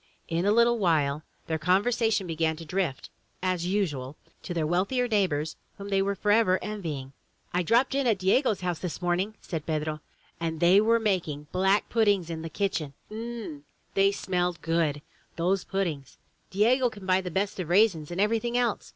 In a little while their conversation began to drift, as usual, to their wealthier neighbors whom they were for ever envying. 155 MY BOO K HOUSE "I dropped in at Diego's house this morning/' said Pedro, "and they were making black puddings there in the kitchen. Um! but they smelled good — those puddings! Diego can buy the best of raisins and everything else.